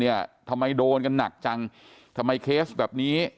ทำไมโดนกันหนักจังทำไมเคสแบบนี้